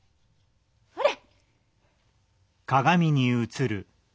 ほれ！